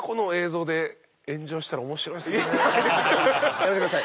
やめてください。